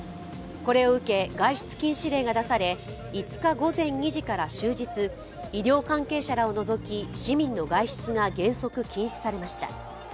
これを受け、外出禁止令が出され、５日午前２時から終日、医療関係者らを除き、市民の外出が原則禁止されました。